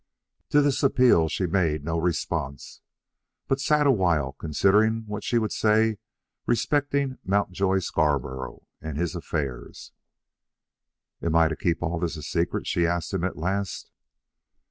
To this appeal she made no response, but sat awhile considering what she would say respecting Mountjoy Scarborough and his affairs. "Am I to keep all this a secret?" she asked him at last.